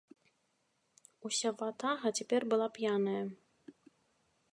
Уся ватага цяпер была п'яная.